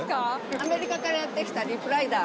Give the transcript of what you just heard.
アメリカからやって来たリップライダー。